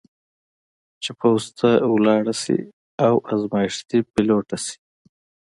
چې پوځ ته ولاړه شي او ازمېښتي پیلوټه شي.